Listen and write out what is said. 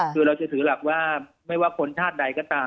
คือเราจะถือหลักว่าไม่ว่าคนชาติใดก็ตาม